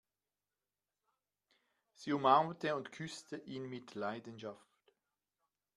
Sie umarmte und küsste ihn mit Leidenschaft.